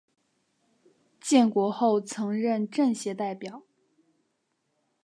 建国后曾任政协代表。